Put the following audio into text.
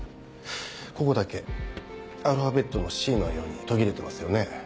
ここだけアルファベットの「Ｃ」のように途切れてますよね。